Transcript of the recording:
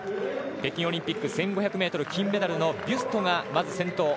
北京オリンピック１５００ｍ金メダルのビュストがまず先頭。